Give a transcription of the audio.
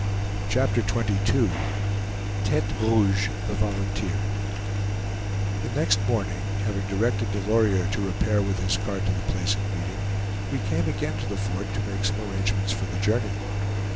CHAPTER XXII TETE ROUGE, THE VOLUNTEER The next morning, having directed Delorier to repair with his cart to the place of meeting, we came again to the fort to make some arrangements for the journey.